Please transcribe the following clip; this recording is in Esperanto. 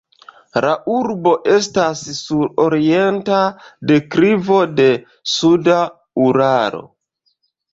La urbo estas sur orienta deklivo de suda Uralo.